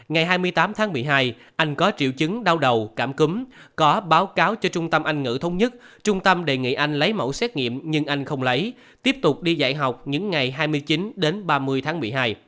ngày hai mươi tám tháng một mươi hai anh có triệu chứng đau đầu cảm cúm có báo cáo cho trung tâm anh ngữ thông nhất trung tâm đề nghị anh lấy mẫu xét nghiệm nhưng anh không lấy tiếp tục đi dạy học những ngày hai mươi chín đến ba mươi tháng một mươi hai